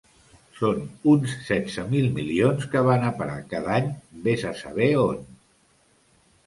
Són uns setze mil milions que van a parar cada any vés a saber on.